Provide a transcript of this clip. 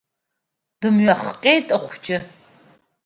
Дымҩахҟьеит ахәыҷы.